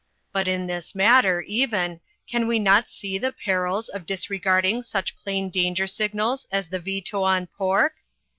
But in this matter, even, can we not see the perils of disregarding such plain danger signals as the veto on pork?